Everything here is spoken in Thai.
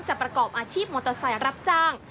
ประกอบอาชีพมอเตอร์ไซค์รับจ้าง